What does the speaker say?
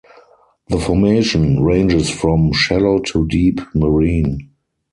The formation ranges from shallow to deep marine.